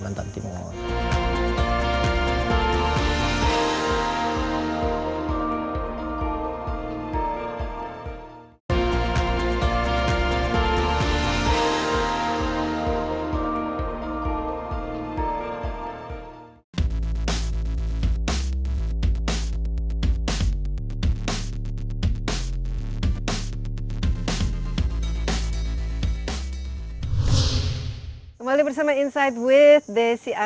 jangan datang ke mana kita coba